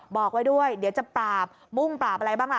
บอกไว้ด้วยเดี๋ยวจะปราบมุ่งปราบอะไรบ้างล่ะ